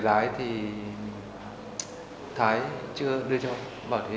xe khách lên cho thái